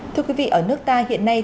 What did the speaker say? thưa quý vị ở nước ta hiện nay